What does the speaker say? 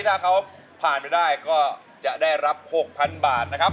ถ้าเขาผ่านไปได้ก็จะได้รับ๖๐๐๐บาทนะครับ